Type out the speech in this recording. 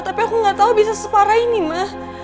tapi aku gak tahu bisa separah ini ma